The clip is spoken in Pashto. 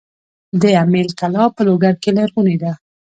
د امیل کلا په لوګر کې لرغونې ده